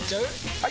・はい！